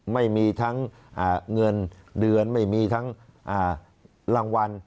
ไม่มีทั้งเงินเดือนไม่มีทั้งรางวัล